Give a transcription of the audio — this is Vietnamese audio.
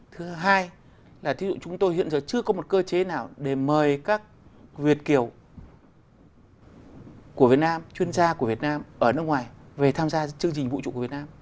thứ hai là thí dụ chúng tôi hiện giờ chưa có một cơ chế nào để mời các việt kiều của việt nam chuyên gia của việt nam ở nước ngoài về tham gia chương trình vũ trụ của việt nam